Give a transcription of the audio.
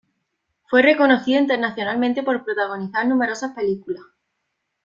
Fue reconocido internacionalmente por protagonizar numerosas películas.